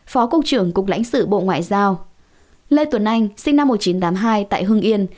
phó cục trưởng cục lãnh sự bộ ngoại giao lê tuấn anh sinh năm một nghìn chín trăm tám mươi hai tại hưng yên